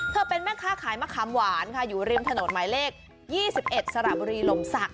เป็นแม่ค้าขายมะขามหวานค่ะอยู่ริมถนนหมายเลข๒๑สระบุรีลมศักดิ